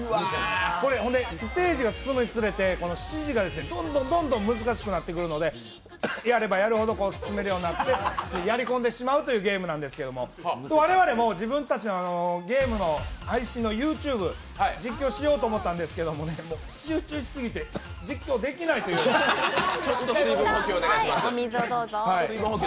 これ、ステージが進むにつれて指示がどんどん難しくなってくるのでやればやるほど進めるようになってやりこんでしまうというゲームなんですけど、我々も、自分たちでゲーム配信のＹｏｕＴｕｂｅ、実況しようと思ったんですけど、集中しすぎてゴホッ実況できないというちょっと水分補給お願いします。